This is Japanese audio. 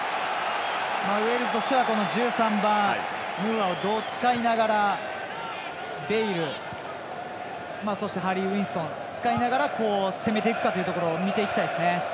ウェールズとしては１３番のムーアをどう使いながらベイル、そしてハリー・ウィルソンを使いながら攻めていくかというところを見ていきたいですね。